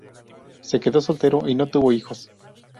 Se quedó soltero y no tuvo hijos.